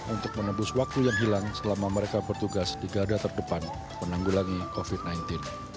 untuk menembus waktu yang hilang selama mereka bertugas di gada terdepan menanggulangi covid sembilan belas